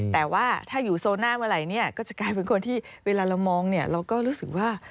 ตัวหน้าเมื่อไหร่ก็จะกลายเป็นคนที่เวลามองเราก็รู้สึกว่า